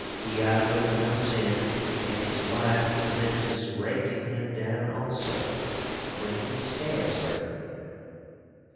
Iago cums in & his wife commences rakin him down also, when he stabs her.